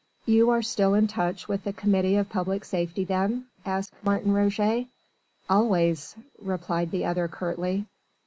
"You are still in touch with the Committee of Public Safety then?" asked Martin Roget. "Always," replied the other curtly.